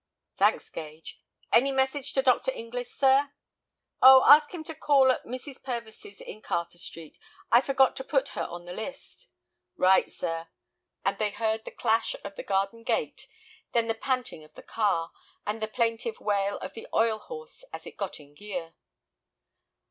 "Thanks, Gage." "Any message to Dr. Inglis, sir?" "Oh, ask him to call at Mrs. Purvis's in Carter Street; I forgot to put her on the list." "Right, sir," and they heard the clash of the garden gate; then the panting of the car, and the plaintive wail of the "oil horse" as it got in gear.